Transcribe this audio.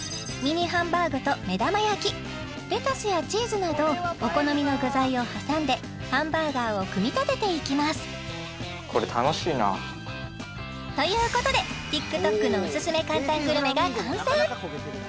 ミニハンバーグと目玉焼きレタスやチーズなどお好みの具材を挟んでハンバーガーを組み立てていきますということでＴｉｋＴｏｋのおすすめ簡単グルメが完成！